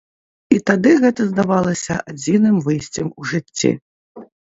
І тады гэта здавалася адзіным выйсцем у жыцці.